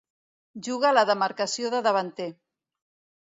Juga a la demarcació de davanter.